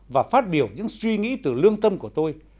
và phát biểu những suy nghĩ từ lương tâm của tôi